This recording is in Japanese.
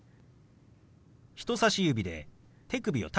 人さし指で手首をタッチします。